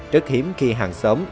rất hiếm khi hàng xóm